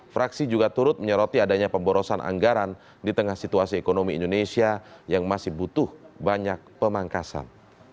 fraksi juga turut menyoroti adanya pemborosan anggaran di tengah situasi ekonomi indonesia yang masih butuh banyak pemangkasan